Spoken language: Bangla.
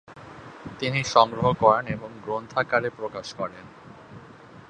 তিনি সংগ্রহ করেন এবং গ্রন্থাকারে প্রকাশ করেন।